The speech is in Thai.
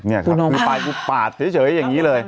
นี่ครับคือไปกูปาดเฉยอย่างนี้เลย